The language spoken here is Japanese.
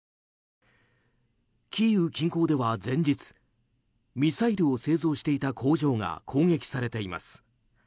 キーウ近郊では前日ミサイルを製造していた工場が攻撃されています。